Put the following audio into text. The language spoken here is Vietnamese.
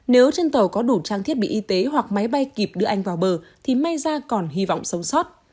nếu trên tàu có đủ trang thiết bị y tế hoặc máy bay kịp đưa anh vào bờ thì may ra còn hy vọng sống sót